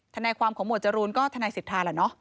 ทนายความของหวดจรูนก็ทนายสิทธาแหละเนาะ